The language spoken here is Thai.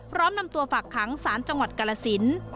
พร้อมนำตัวฝากค้างศาลจังหวัดกรสิน